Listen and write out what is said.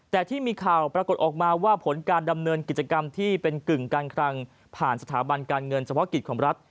แต่ที่มีข่าวปรากฏออกมาว่าผลการดำเนินกิจกรรมที่เป็นกึ่งการคลังผ่านสถาบันการเงินเฉพาะกิจของรัฐ